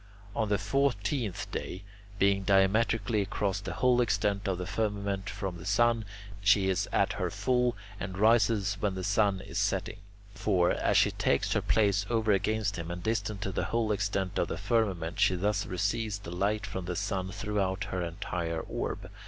On the fourteenth day, being diametrically across the whole extent of the firmament from the sun, she is at her full and rises when the sun is setting. For, as she takes her place over against him and distant the whole extent of the firmament, she thus receives the light from the sun throughout her entire orb.